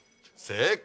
正解。